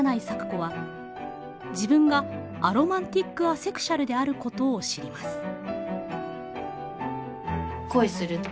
咲子は自分がアロマンティックアセクシュアルであることを知ります。